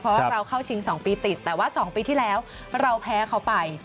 เพราะว่าเราเข้าชิง๒ปีติดแต่ว่า๒ปีที่แล้วเราแพ้เขาไป